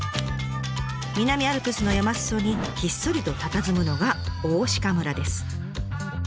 南アルプスの山すそにひっそりとたたずむのが大鹿村です。